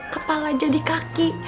kepala jadi kaki